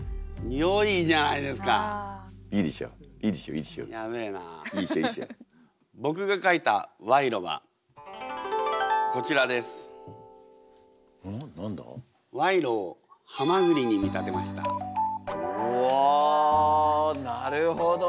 おおなるほどね。